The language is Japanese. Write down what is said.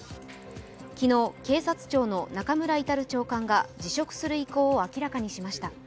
昨日、警察庁の中村格長官が辞職する意向を明らかにしました。